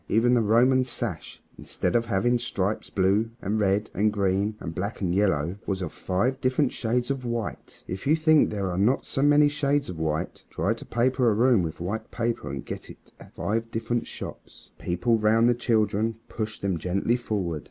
Even the Roman sash, instead of having stripes blue and red and green and black and yellow, was of five different shades of white. If you think there are not so many shades of white, try to paper a room with white paper and get it at five different shops. The people round the children pushed them gently forward.